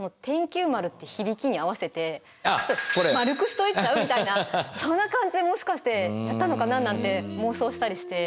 丸くしといちゃう？みたいなそんな感じでもしかしてやったのかななんて妄想したりして。